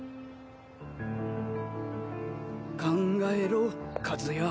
考えろ和也。